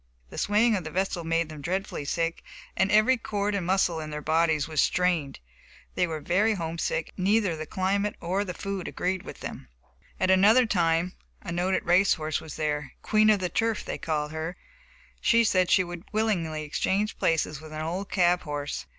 The swaying of the vessel made them dreadfully sick, and every cord and muscle in their bodies was strained. They were very home sick, and neither the climate nor the food agreed with them. At another time a noted race horse was there, "Queen of the Turf," they called her. She said she would willingly exchange places with an old cab horse.